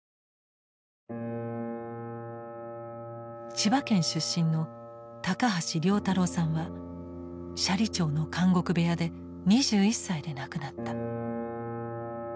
千葉県出身の高橋良太郎さんは斜里町の「監獄部屋」で２１歳で亡くなった。